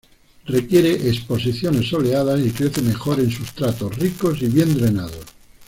Requiere exposiciones soleadas y crece mejor en sustratos ricos y bien drenados.